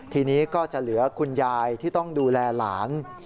ทีนี้ก็จะเหลือคุณยายที่ต้องดูแลหลาน